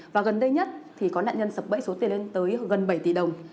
và gần đây nhất thì có nạn nhân sập bẫy số tiền lên tới gần bảy tỷ đồng